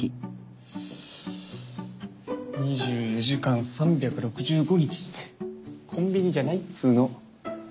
２４時間３６５日ってコンビニじゃないっつうの。